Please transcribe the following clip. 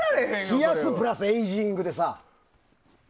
冷やすプラス、エイジングでさ。